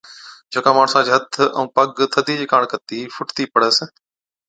جڪا ماڻسا چي هٿ ائُون پگ ٿڌِي چي ڪاڻ ڪتِي ڦُٽتِي پڙس